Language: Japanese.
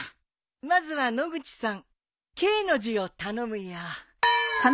まずは野口さん「敬」の字を頼むよ。